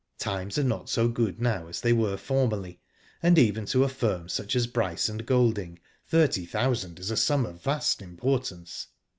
Times are not so good now as they were formerly, and even to a firm such as Bryce and Golding thirty thousand is a sum of vast importance."